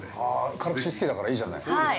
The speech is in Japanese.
◆辛口好きだからいいじゃない。